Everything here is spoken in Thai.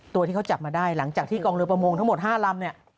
ตัวที่เขาจับมาได้หลังจากที่กองเรือประมงทั้งหมด๕ลำเนี่ย